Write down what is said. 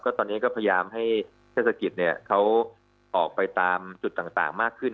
ตอนนี้ก็พยายามให้เทศกิจเขาออกไปตามจุดต่างมากขึ้น